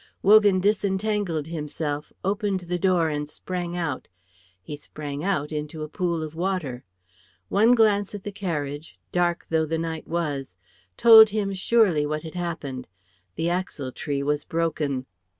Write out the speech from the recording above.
Wogan disentangled himself, opened the door, and sprang out. He sprang out into a pool of water. One glance at the carriage, dark though the night was, told him surely what had happened. The axle tree was broken.